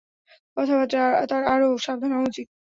কথাবার্তায় তার আরো সাবধান হওয়া উচিত।